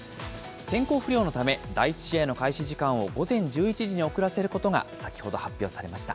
天候不良のため、第１試合の開始時間を午前１１時に遅らせることが先ほど発表されました。